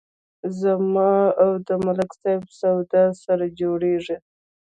زما او د ملک صاحب سودا سره جوړیږي.